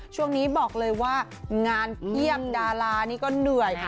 ช่วงนี้บอกเลยว่างานเพียบดารานี่ก็เหนื่อย